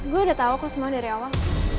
gue udah tau kok semuanya dari awal